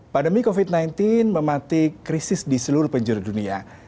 pandemi covid sembilan belas mematik krisis di seluruh penjuru dunia